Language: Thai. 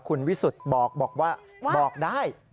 คุณวิสุทธิ์บอกว่าบอกได้